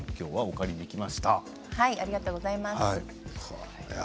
ありがとうございます。